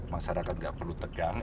masyarakat tidak perlu tegang